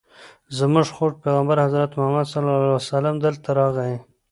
زموږ خوږ پیغمبر حضرت محمد صلی الله علیه وسلم دلته راغی.